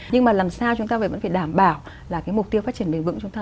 nhưng mà làm sao chúng ta vẫn phải đảm bảo là cái mục tiêu phát triển bền vững chúng ta